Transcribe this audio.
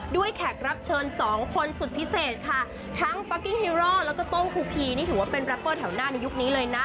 แขกรับเชิญสองคนสุดพิเศษค่ะทั้งฟักกิ้งฮีโร่แล้วก็โต้งภูพีนี่ถือว่าเป็นแรปเปอร์แถวหน้าในยุคนี้เลยนะ